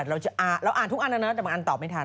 เราอ่านทุกอันแล้วนะแต่บางอันตอบไม่ทัน